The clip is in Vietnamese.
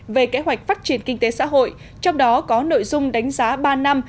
về kế hoạch phát triển kinh tế xã hội trong đó có nội dung đánh giá ba năm